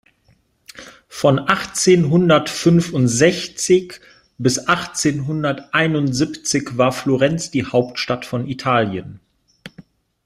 Von achtzehnhundertfünfundsechzig bis achtzehnhunderteinundsiebzig war Florenz die Hauptstadt von Italien.